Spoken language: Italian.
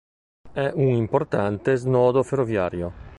È un importante snodo ferroviario.